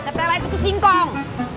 ketela itu singkong